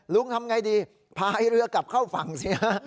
ทำไงดีพายเรือกลับเข้าฝั่งสิฮะ